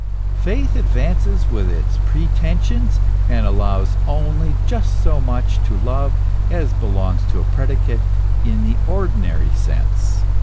Faith advances with its pretensions, and allows only just so much to Love as belongs to a predicate in the ordinary sense.